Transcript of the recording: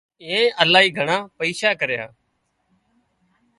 ايئنانئي الاهي گھڻا پئيشا ڪريا